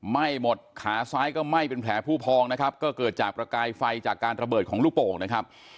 ไหม้หมดขาซ้ายก็ไหม้เป็นแผลผู้พองนะครับก็เกิดจากประกายไฟจากการระเบิดของลูกโป่งนะครับ